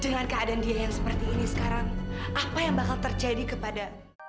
dengan keadaan dia yang seperti ini sekarang apa yang bakal terjadi kepada